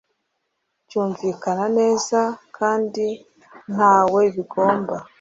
cyumvikana neza kandi ntawe kigomba